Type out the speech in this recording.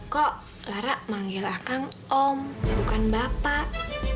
kok lara manggil akang om bukan bapak